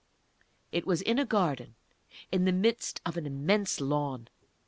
It was in a garden, in the midst of an immense lawn.